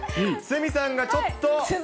鷲見さんがちょっと。